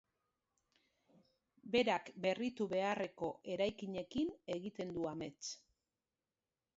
Berak berritu beharreko eraikinekin egiten du amets.